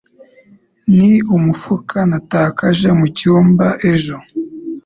Ni umufuka natakaje mucyumba ejo.